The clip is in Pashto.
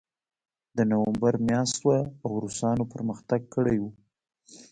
د نومبر میاشت وه او روسانو پرمختګ کړی و